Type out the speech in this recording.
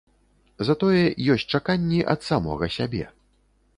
Затое ёсць чаканні ад самога сябе.